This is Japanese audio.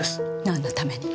何のために？